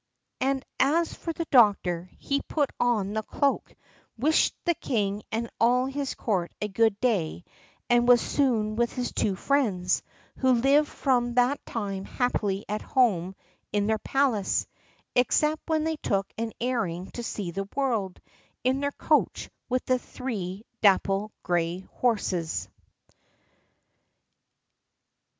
And as for the doctor, he put on the cloak, wished the king and all his court a good day, and was soon with his two friends, who lived from that time happily at home in their palace, except when they took an airing to see the world, in their coach with the three dapple gray horses.